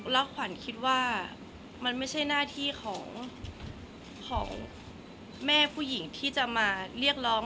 แล้วขวัญคิดว่ามันไม่ใช่หน้าที่ของแม่ผู้หญิงที่จะมาเรียกร้อง